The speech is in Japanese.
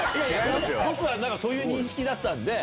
僕はそういう認識だったんで。